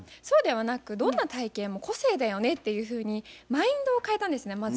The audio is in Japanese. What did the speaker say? そうではなくどんな体型も個性だよねっていうふうにマインドを変えたんですね